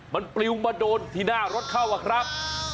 มันปลิวมาโดนที่หน้ารถเข้าอะครับ